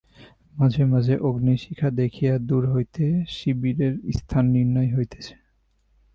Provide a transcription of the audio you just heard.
মাঝে মাঝে অগ্নিশিখা দেখিয়া দূর হইতে শিবিরের স্থান নির্ণয় হইতেছে।